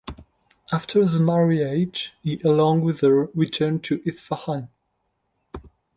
After the marriage, he along with her returned to Isfahan.